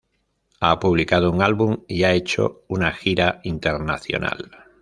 Ha publicado un álbum y ha hecho una gira internacional.